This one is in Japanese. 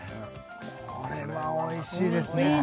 これはおいしいですね！